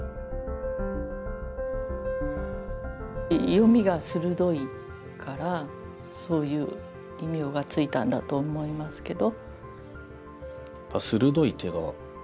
ヨミが鋭いからそういう異名が付いたんだと思いますけど。